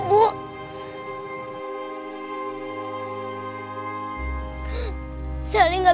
ibu udah ikhlas nak